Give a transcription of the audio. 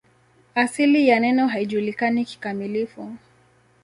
Asili ya neno haijulikani kikamilifu.